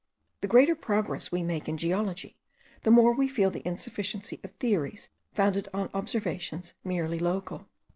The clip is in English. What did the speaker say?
The greater progress we make in geology, the more we feel the insufficiency of theories founded on observations merely local.